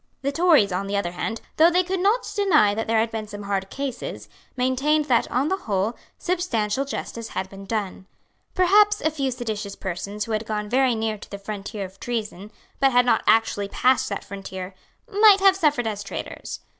The Tories, on the other hand, though they could not deny that there had been some hard cases, maintained that, on the whole, substantial justice had been done. Perhaps a few seditious persons who had gone very near to the frontier of treason, but had not actually passed that frontier, might have suffered as traitors.